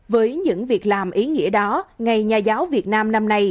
với những việc làm ý nghĩa đó ngày nhà giáo việt nam năm nay